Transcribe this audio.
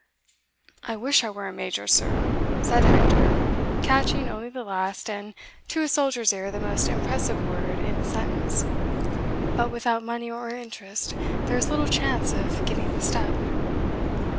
"I wish I were a major, sir," said Hector, catching only the last, and, to a soldier's ear, the most impressive word in the sentence, "but, without money or interest, there is little chance of getting the step."